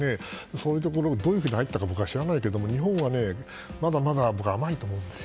そういうところをどういうふうに入ったのか僕は知らないけれども日本はまだまだ甘いと思うんです。